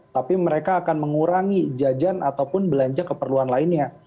tapi mereka akan mengurangi jajan ataupun belanja keperluan lainnya